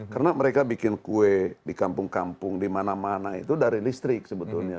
karena mereka bikin kue di kampung kampung di mana mana itu dari listrik sebetulnya